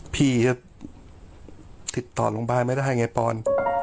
พี่ที่ถิดตอบโรงบาลไม่ได้ไงพร